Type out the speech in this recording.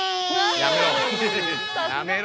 やめろ！